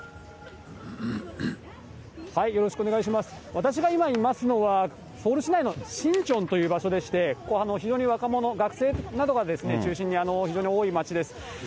私が今いますのは、ソウル市内のシンチョンという場所でして、ここ、非常に若者、学生などが中心に、非常に多い街です。